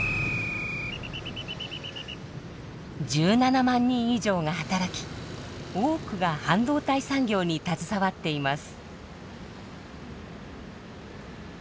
１７万人以上が働き多くが半導体産業に携わっています。